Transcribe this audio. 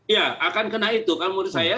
ya akan kena itu kalau menurut saya